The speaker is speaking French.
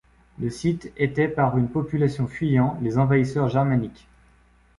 Le site était par une population fuyant les envahisseurs germaniques.